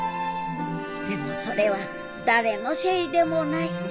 でもそれは誰のせいでもない。